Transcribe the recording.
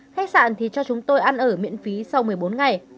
khách sạn thì cho chúng tôi ăn ở miễn phí sau một mươi bốn ngày